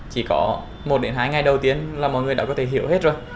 chỉ có một đến hai ngày đầu tiên là mọi người đã có thể hiểu hết rồi